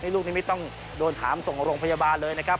ลูกนี้ไม่ต้องโดนถามส่งโรงพยาบาลเลยนะครับ